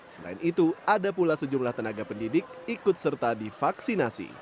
selain itu ada pula sejumlah tenaga pendidik ikut serta divaksinasi